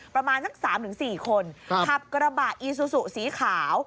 ประมาณสักสามถึงสี่คนครับกระบะอีซูซุสีขาว